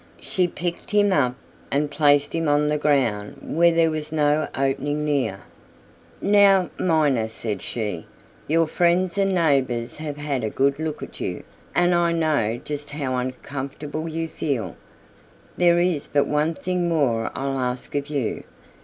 She picked him up and placed him on the ground where there was no opening near. "Now, Miner," said she, "your friends and neighbors have had a good look at you, and I know just how uncomfortable you feel. There is but one thing more I'll ask of you.